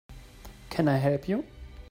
Can I help you?